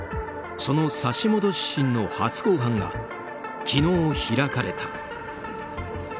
その差し戻し審の初公判が昨日、開かれた。